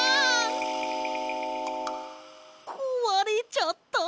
こわれちゃった。